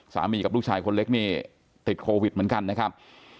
กับลูกชายคนเล็กนี่ติดโควิดเหมือนกันนะครับ